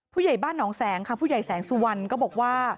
พุ่ย่ายบ้านเหล้าแสงสวรรค์บอกว่า